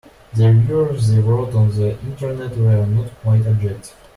The reviews they wrote on the Internet were not quite objective.